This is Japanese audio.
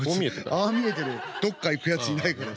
「ああ見えて」でどっか行くやついないから。